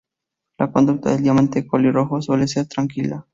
La conducta del diamante colirrojo suele ser tranquila.